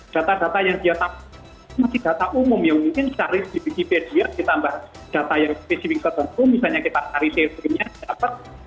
data data yang dia tambah masih data umum yang mungkin cari di media ditambah data yang spesifik tertentu misalnya kita cari saverinya dapat